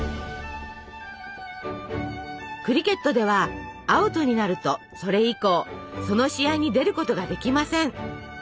クリケットではアウトになるとそれ以降その試合に出ることができません。